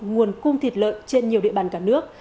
nguồn cung thịt lợn trên nhiều địa bàn cả nước